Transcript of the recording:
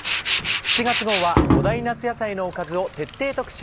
７月号は５大夏野菜のおかずを徹底特集。